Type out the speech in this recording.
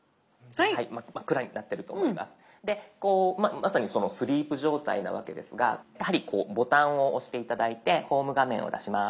まさにスリープ状態なわけですがやはりボタンを押して頂いてホーム画面を出します。